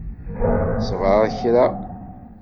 Sbeṛ kra.